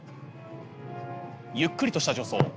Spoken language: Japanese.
ゆっくりとした助走。